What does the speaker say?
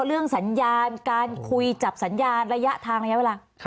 เรื่องสัญญาณการคุยจับสัญญาณระยะทางระยะเวลา